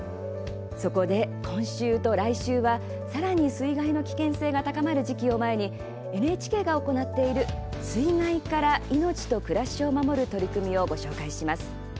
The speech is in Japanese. そこで、今週と来週はさらに水害の危険性が高まる時期を前にＮＨＫが行っている水害から命と暮らしを守る取り組みをご紹介します。